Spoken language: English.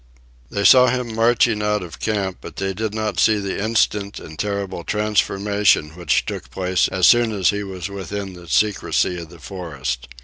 They saw him marching out of camp, but they did not see the instant and terrible transformation which took place as soon as he was within the secrecy of the forest.